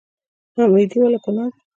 نااميدي ولې ګناه ده؟